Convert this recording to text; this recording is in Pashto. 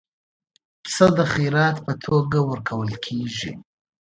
پسه د خیرات په توګه ورکول کېږي.